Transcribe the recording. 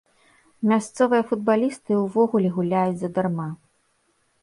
Мясцовыя футбалісты ўвогуле гуляюць задарма.